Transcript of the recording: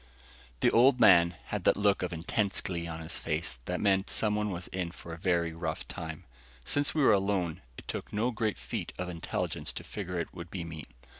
The Old Man had that look of intense glee on his face that meant someone was in for a very rough time. Since we were alone, it took no great feat of intelligence to figure it would be me.